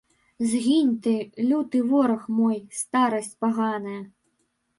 Згінь ты, люты вораг мой, старасць паганая!